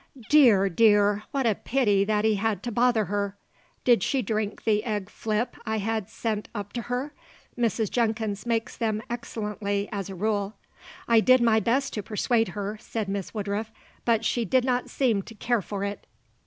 "Dear, dear, what a pity that he had to bother her. Did she drink the egg flip I had sent up to her? Mrs. Jenkins makes them excellently as a rule." "I did my best to persuade her," said Miss Woodruff, "but she did not seem to care for it."